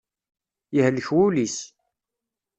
Yehlek wul-is.